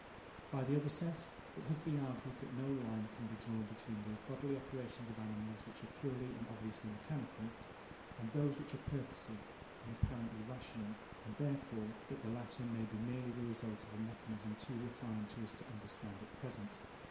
By the other set, it has been argued that no line can be drawn between those bodily operations of animals which are purely and obviously mechanical, and those which are purposive and apparently rational, and, therefore, that the latter may be merely the result of a mechanism too refined for us to understand at present.